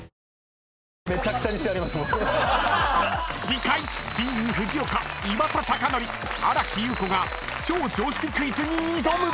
［次回ディーン・フジオカ岩田剛典新木優子が超常識クイズに挑む！］